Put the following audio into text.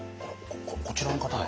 こちらの方は？